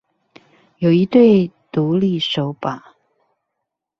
有一對獨立手把